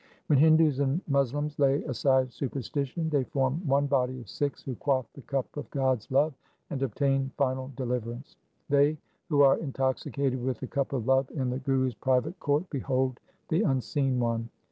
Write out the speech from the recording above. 3 When Hindus and Moslems lay aside superstition, they form one body of Sikhs who quaff the cup of God's love and obtain final deliverance :— They who are intoxicated with the cup of love in the Guru's private court, behold the Unseen One.